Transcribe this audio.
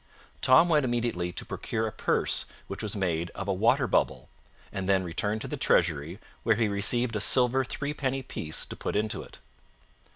Tom went immediately to procure a purse which was made of a water bubble, and then returned to the treasury, where he received a silver three penny piece to put into it.